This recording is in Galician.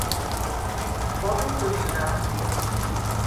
Poden conxelarse.